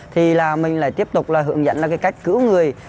thì mình lại tiếp tục hướng dẫn cách cứu người